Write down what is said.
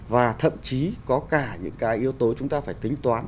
và thậm chí có cả những cái yếu tố chúng ta phải tính toán